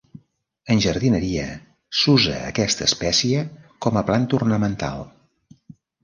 En jardineria, s'usa aquesta espècie com a planta ornamental.